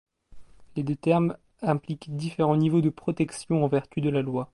Les deux termes impliquent différents niveaux de protection en vertu de la loi.